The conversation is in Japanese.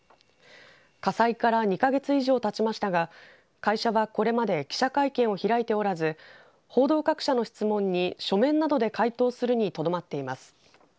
火災から２か月以上たちましたが会社はこれまで記者会見を開いておらず報道各社の質問に書面などで回答するにとどまっています。